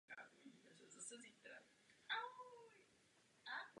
Na místní univerzitě vystudoval právo a literaturu a začal psát a publikovat své verše.